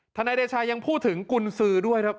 ท่านไอนเดชายังพูดถึงกุญซื้อด้วยครับ